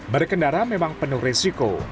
berkendara memang penuh risiko